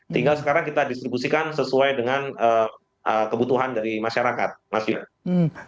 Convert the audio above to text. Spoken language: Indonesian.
tinggal sekarang kita distribusikan sesuai dengan kebutuhan dari masyarakat